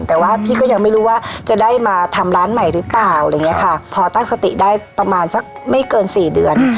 แต่ว่าพี่ก็ยังไม่รู้ว่าจะได้มาทำร้านใหม่หรือเปล่าอะไรอย่างเงี้ยค่ะพอตั้งสติได้ประมาณสักไม่เกินสี่เดือน